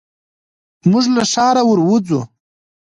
موږ له ښاره ور وځو.